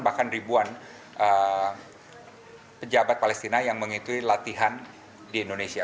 bahkan ribuan pejabat palestina yang mengikuti latihan di indonesia